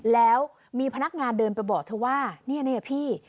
แล้วมีพนักงานเดินไปบอกเธอว่าเนี่ยพี่